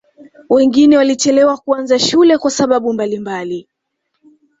wengine walichelewa kuanza shule kwa sababu mbalimbali